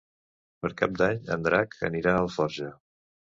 Per Cap d'Any en Drac anirà a Alforja.